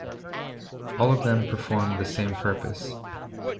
All of them perform the same purpose.